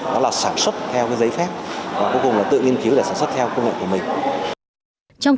đó là sản xuất theo giấy phép và cuối cùng là tự nghiên cứu để sản xuất theo công nghệ của mình